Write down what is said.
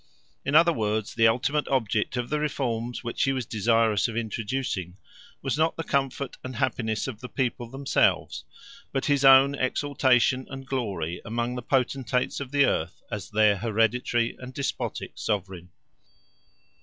In other words, the ultimate object of the reforms which he was desirous of introducing was not the comfort and happiness of the people themselves, but his own exaltation and glory among the potentates of the earth as their hereditary and despotic sovereign.